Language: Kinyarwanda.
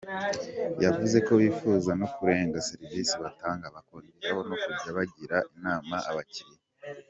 Yavuze ko bifuza no kurenga serivisi batanga, bakongeraho no kujya bagira inama abakiliya.